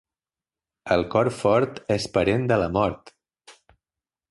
El cor fort és parent de la mort.